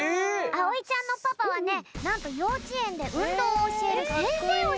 あおいちゃんのパパはねなんとようちえんでうんどうをおしえる先生をしているんだよ。